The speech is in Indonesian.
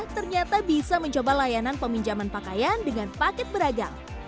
ternyata bisa mencoba layanan peminjaman pakaian dengan paket beragam